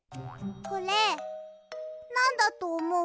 これなんだとおもう？